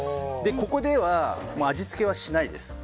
ここでは味付けはしないです。